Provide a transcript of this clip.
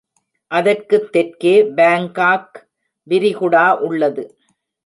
அதற்குத் தெற்கே பாங்காக் விரிகுடா உள்ளது.